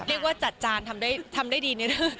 เรียกว่าจัดจานทำได้ดีแน่